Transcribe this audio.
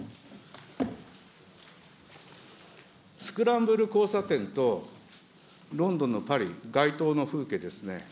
スクランブル交差点と、ロンドンのパリ、街頭の風景ですね。